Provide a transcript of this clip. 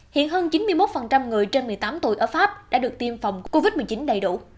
hiện hơn chín mươi một người trên một mươi tám tuổi ở pháp đã được tiêm phòng covid một mươi chín đầy đủ